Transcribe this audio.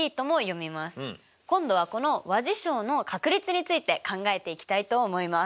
今度はこの和事象の確率について考えていきたいと思います。